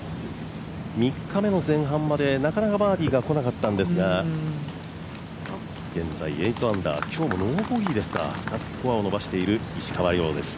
３日目の前半までなかなかバーディーがこなかったんですが現在８アンダー、今日もノーボギーで２つスコアを伸ばしている石川遼です。